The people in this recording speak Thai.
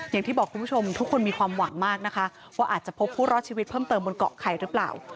อย่างที่บอกคุณผู้ชมทุกคนมีความหวังมากนะคะว่าอาจจะพบผู้รอดชีวิตเพิ่มเติมบนเกาะไข่หรือเปล่า